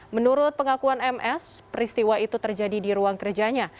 menurut pengakuan ms peristiwa itu terjadi di ruang kerjanya